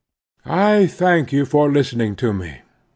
I thank you for listening to me.